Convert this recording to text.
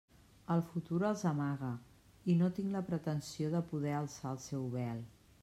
El futur els amaga, i no tinc la pretensió de poder alçar el seu vel.